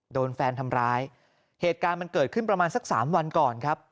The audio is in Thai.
โดนแฟนทำร้ายเหตุการณ์มันเกิดขึ้นประมาณสักสามวันก่อนครับ